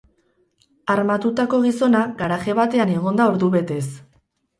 Armatutako gizona garaje batean egon da ordubetez.